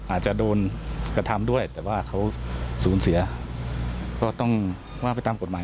อาจจะโดนกระทำด้วยแต่ว่าเขาสูญเสียก็ต้องว่าไปตามกฎหมาย